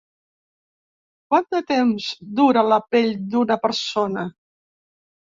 Quant de temps dura la pell d'una persona?